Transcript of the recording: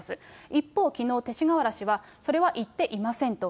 一方、きのう勅使河原氏は、それは言っていませんと。